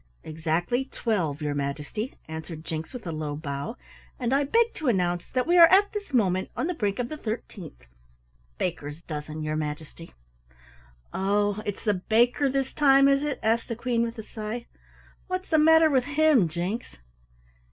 "Exactly twelve, your Majesty," answered Jinks with a low bow, "and I beg to announce that we are at this moment on the brink of the thirteenth baker's dozen, your Majesty." "Oh, it's the baker this time, is it?" asked the Queen with a sigh. "What's the matter with him, Jinks?"